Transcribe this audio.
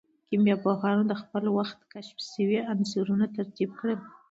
کيميا پوهانو د خپل وخت کشف سوي عنصرونه ترتيب کړل.